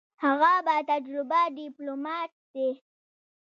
هغه با تجربه ډیپلوماټ دی.